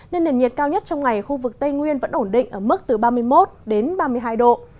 trên biển cao nhất trong ngày khu vực tây nguyên vẫn ổn định ở mức từ ba mươi một ba mươi hai độ